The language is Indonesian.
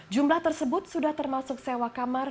jumlah tersebut sudah termasuk sewa kamar